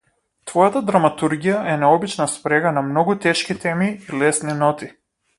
Твојата драматургија е необична спрега на многу тешки теми и лесни ноти.